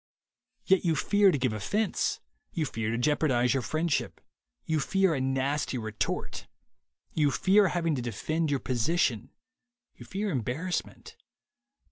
Yet you fear to give offense; you fear to jeopardize your friendship; you fear a nasty retort; you fear having to defend your position; you fear embarrassment.